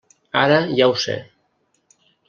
Ara ja ho sé.